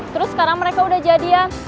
terus sekarang mereka udah jadian